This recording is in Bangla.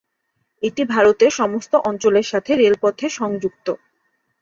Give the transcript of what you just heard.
এটি ভারতের সমস্ত অঞ্চলের সাথে রেলপথে সংযুক্ত।